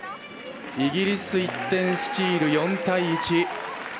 イギリス１点スチール４対１。